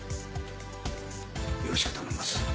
よろしく頼みます。